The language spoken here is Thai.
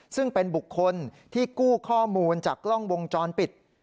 ซึ่งเป็นบุคคลที่กู้ข้อมูลจากกล้องวงจรปิด